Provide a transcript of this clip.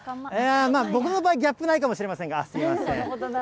まあ、僕の場合、ギャップないかもしれませんが、すみません。